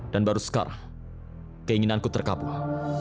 dan baru sekarang keinginanku terkabur